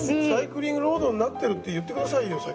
「サイクリングロードになってる」って言って下さいよ